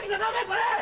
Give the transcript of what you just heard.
これ！